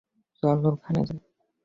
চল ওখানে যাই।